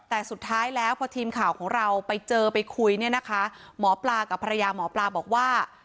แต่สุดท้ายแล้วพอทีมข่าวของเราไปเจอไปคุยเนี่ยนะคะหมอปลากับภรรยาหมอปลาบอกว่า